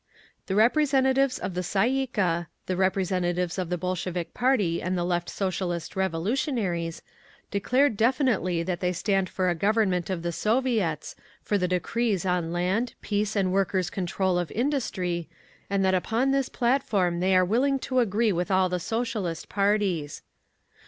The representatives of the Tasy ee kah, the representatives of the Bolshevik party and the Left Socialist Revolutionaries, declared definitely that they stand for a Government of the Soviets, for the decrees on Land, Peace and Workers' Control of Industry, and that upon this platform they are willing to agree with all the Socialist parties.